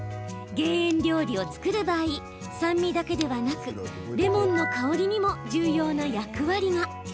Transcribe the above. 減塩料理を作る場合酸味だけではなくレモンの香りにも重要な役割が。